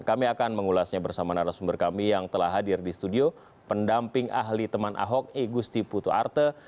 kami akan mengulasnya bersama narasumber kami yang telah hadir di studio pendamping ahli teman ahok igusti putu arte